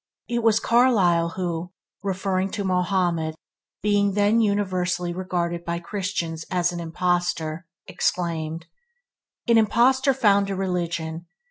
It was Carlyle who, referring to Mohammed being then universally regarded by Christians as an impostor, exclaimed, "An impostor found a religion!